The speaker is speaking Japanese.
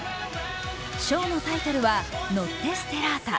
ショーのタイトルは「ノッテ・ステラータ」。